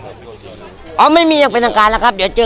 ไม่มีอย่างเลยอ๋อไม่มีอย่างเป็นทางการแล้วครับเดี๋ยวเจอ